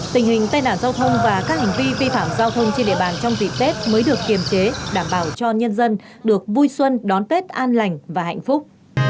tình hình tai nạn giao thông và các hành vi vi phạm giao thông trên địa bàn trong dịp tết mới được kiềm chế đảm bảo cho nhân dân được vui xuân đón tết an lành và hạnh phúc